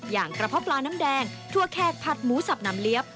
อย่างกระเพาะปลาน้ำแดงถั่วแขกผัดหมูสับน้ำเลี้ยบ